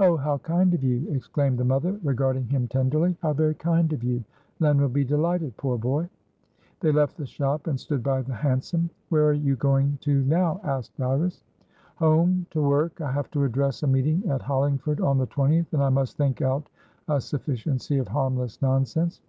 "Oh, how kind of you!" exclaimed the mother, regarding him tenderly. "How very kind of you! Len will be delighted, poor boy." They left the shop, and stood by the hansom. "Where are you going to now?" asked Iris. "Home, to work. I have to address a meeting at Hollingford on the 20th, and I must think out a sufficiency of harmless nonsense."